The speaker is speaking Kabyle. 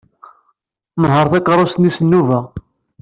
Nenheṛ takeṛṛust-nni s nnuba.